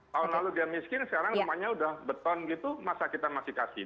tahun lalu dia miskin sekarang rumahnya udah beton gitu masa kita masih kasih